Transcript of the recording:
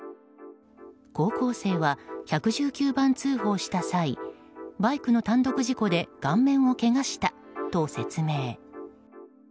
高校生は１１９番通報した際バイクの単独事故で顔面をけがしたと説明。